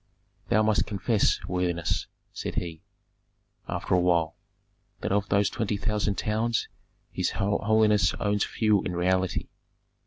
"Thou must confess, worthiness," said he, after a while, "that of those twenty thousand towns his holiness owns few in reality."